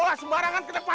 lo udah ngajarowana